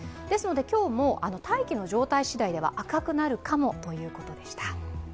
今日も大気の状態しだいでは赤くなるかもということでした。